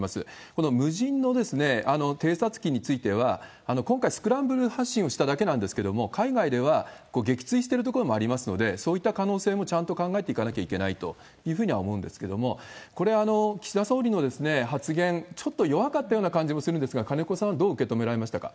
この無人の偵察機については、今回、スクランブル発信をしただけなんですけれども、海外では撃墜してるところもありますので、そういった可能性もちゃんと考えていかなきゃいけないというふうには思うんですけれども、これ、岸田総理の発言、ちょっと弱かったような感じもするんですが、金子さんはどう受け止められましたか？